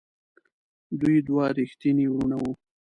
دوی دوه ریښتیني وروڼه وو.